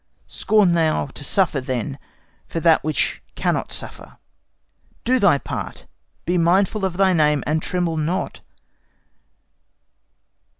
Scorn thou to suffer, then, For that which cannot suffer. Do thy part! Be mindful of thy name, and tremble not.